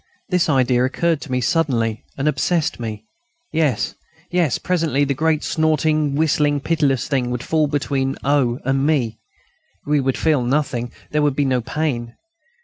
This idea occurred to me suddenly and obsessed me. Yes, yes, presently the great snorting, whistling, pitiless thing would fall between O. and me. We should feel nothing; there would be no pain.